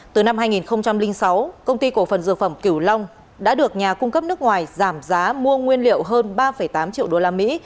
từ năm hai nghìn sáu công ty cổ phần dược phẩm kiểu long đã được nhà cung cấp nước ngoài giảm giá mua nguyên liệu hơn ba tám triệu đô la mỹ